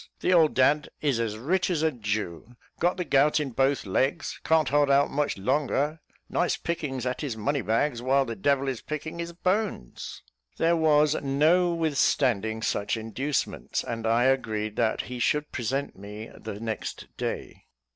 The old dad is as rich as a Jew got the gout in both legs can't hold out much longer nice pickings at his money bags, while the devil is picking his bones." There was no withstanding such inducements, and I agreed that he should present me the next day.